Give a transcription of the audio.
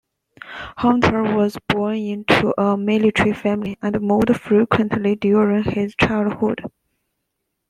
Hunter was born into a military family and moved frequently during his childhood.